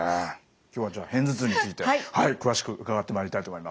今日はじゃあ片頭痛について詳しく伺ってまいりたいと思います。